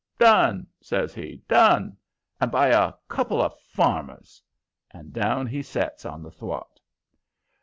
"Done!" says he. "Done! And by a couple of 'farmers'!" And down he sets on the thwart.